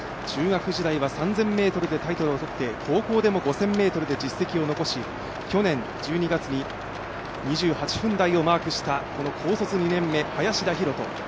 中学時代は３０００ｍでタイトルをとって高校でも５０００ｍで実績を残し、去年１２月に２８分台をマークした高卒２年目、林田洋翔。